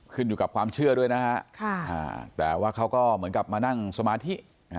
อยู่กับความเชื่อด้วยนะฮะแต่ว่าเขาก็เหมือนกับมานั่งสมาธิ